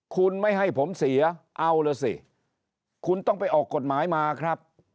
คุณไม่ให้ผมเสียเอาล่ะสิคุณต้องไปออกกฎหมายมาครับ